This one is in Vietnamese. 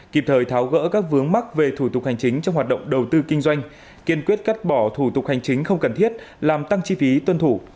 kịp thời tháo gỡ các vướng mắc về thủ tục hành chính trong hoạt động đầu tư kinh doanh kiên quyết cắt bỏ thủ tục hành chính không cần thiết làm tăng chi phí tuân thủ